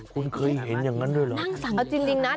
คุณเคยเห็นอย่างนั้นด้วยเหรอจริงนะ